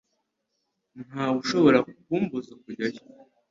Ntawe ushobora kumbuza kujyayo.